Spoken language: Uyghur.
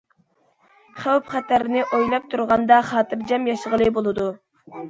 خەۋپ- خەتەرنى ئويلاپ تۇرغاندا خاتىرجەم ياشىغىلى بولىدۇ.